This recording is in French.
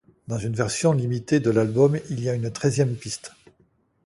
Dans une version limitée de l'album, il y a une treizième piste.